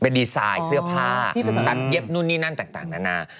ดีไซน์เสื้อผ้าตัดเย็บนู่นนี่นั่นต่างนานา